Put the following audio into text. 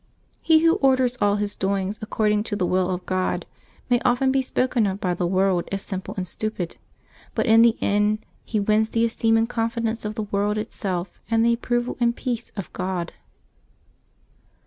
— He who orders all his doings according to the will of God may often be spoken of by the world as simple and stupid ; but in the end he wins the esteem and confidence of the world itself, and the approval and peace of God.